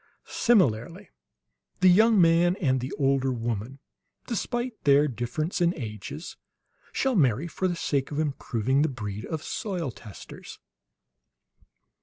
Similarly the young man and the older woman, despite their difference in ages, shall marry for the sake of improving the breed of soil testers."